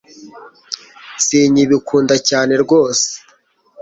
sinkibikunda cyane rwose